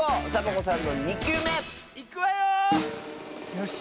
よし。